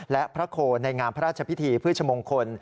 และพระโคนในงานพระราชพิธีพฤชมงคล